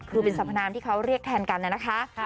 คือเป็นสรรพนามที่เขาเรียกแทนกันนะคะ